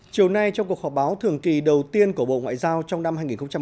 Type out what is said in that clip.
chiều nay trong cuộc họp báo thường kỳ đầu tiên của bộ ngoại giao trong năm hai nghìn một mươi chín